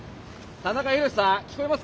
田中ヒロシさん聞こえますか？